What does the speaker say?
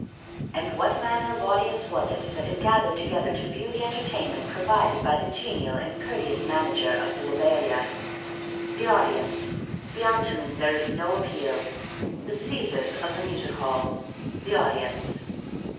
"And what manner of audience was it that had gathered together to view the entertainment provided by the genial and courteous manager of the Lobelia? The audience. Beyond whom there is no appeal. The Caesars of the music hall. The audience."